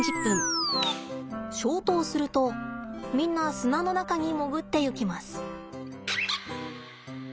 消灯するとみんな砂の中に潜っていきます。